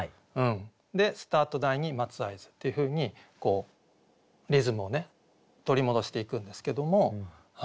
で「スタート台に待つ合図」っていうふうにリズムを取り戻していくんですけども。